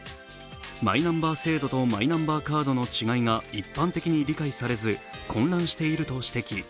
マイナンバー制度とマイナンバーカードの違いが一般的に理解されず混乱していると指摘。